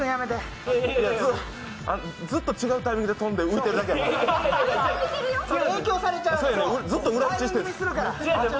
ずっと違うタイミングで飛んで浮いてるから。